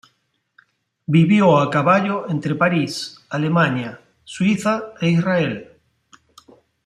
Vivió a caballo entre París, Alemania, Suiza e Israel.